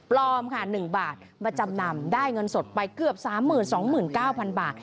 ปลอมค่ะหนึ่งบาทมาจำนำได้เงินสดไปเกือบสามหมื่นสองหมื่นเก้าพันบาท